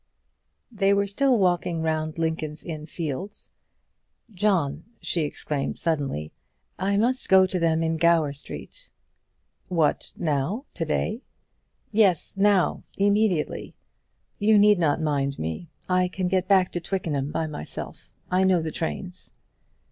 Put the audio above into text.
They were still walking round Lincoln's Inn Fields. "John," she exclaimed suddenly, "I must go to them in Gower Street." "What, now, to day?" "Yes, now, immediately. You need not mind me; I can get back to Twickenham by myself. I know the trains."